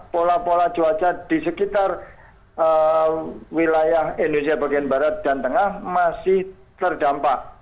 pola pola cuaca di sekitar wilayah indonesia bagian barat dan tengah masih terdampak